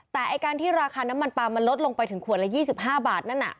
แต่การที่ราคาน้ำมันปลามลดลงไปถึงขวดละ๒๕บาท